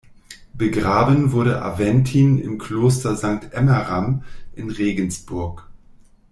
Begraben wurde Aventin im Kloster Sankt Emmeram in Regensburg.